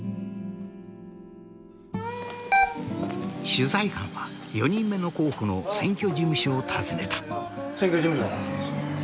取材班は４人目の候補の選挙事務所を訪ねた。